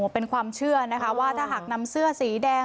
เป็นความเชื่อนะคะว่าถ้าหากนำเสื้อสีแดง